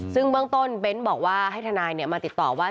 ซึ่งเบื้องต้นเบ้นบอกว่าให้ทนายมาติดต่อว่า